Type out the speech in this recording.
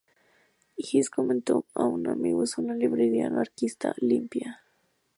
Hiss comentó a un amigo, "Es una librería anarquista limpia".